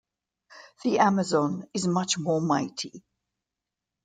The Amazon is much more mighty.